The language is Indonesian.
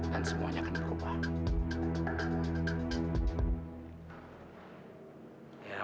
dan semuanya akan berubah